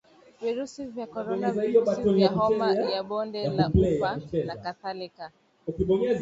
virusi vya Korona virusi vya Homa ya bonde la ufa na kadhalika